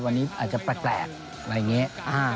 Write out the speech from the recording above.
วันนี้อาจจะแปลกอะไรอย่างนี้